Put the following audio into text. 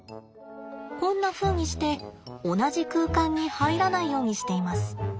こんなふうにして同じ空間に入らないようにしています。